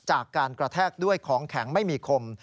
จากการกระแทกด้วยของแข็งไม่มีคม